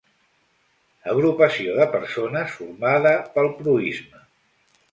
Agrupació de persones formada pel proïsme.